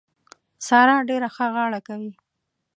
سارا ډېره ښه غاړه کوي.